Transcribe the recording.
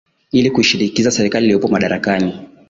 ili kuishinikiza serikali ilioko madarakani